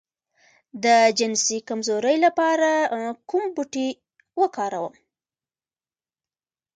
د جنسي کمزوری لپاره کوم بوټی وکاروم؟